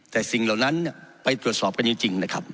แต่สิ่งเหล่านั้นไปตรวจสอบกันจริงนะครับ